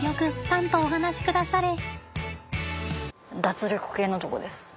たんとお話しくだされ。